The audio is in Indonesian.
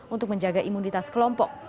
untuk menjaga imunitas kelompok